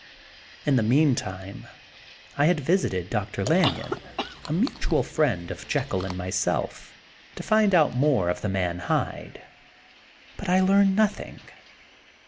In the mean time I had visited Dr. Lanyon, a mutual friend of Jekyll and myself, to find out more of the man Hyde; but I learned nothing.